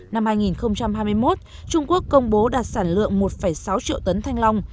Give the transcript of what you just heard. năm hai nghìn hai mươi một trung quốc công bố đạt sản lượng một sáu triệu tấn thanh long